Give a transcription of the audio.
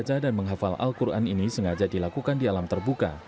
membaca dan menghafal al quran ini sengaja dilakukan di alam terbuka